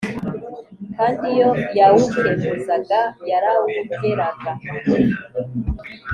Kandi iyo yawukemuzaga yarawugeraga